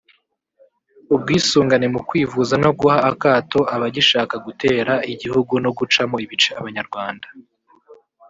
ubwisungane mu kwivuza no guha akato abagishaka gutera igihugu no gucamo ibice abanyarwanda